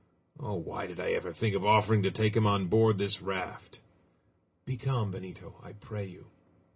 Oh! why did I ever think of offering to take him on board this raft?" "Be calm, Benito, I pray you!"